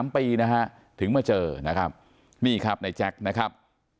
๓ปีนะฮะถึงมาเจอนะครับนี่ครับในแจ็คนะครับ